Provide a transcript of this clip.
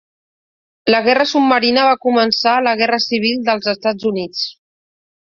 La guerra submarina va començar a la Guerra Civil dels Estats Units.